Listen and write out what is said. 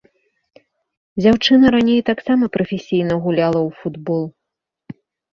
Дзяўчына раней таксама прафесійна гуляла ў футбол.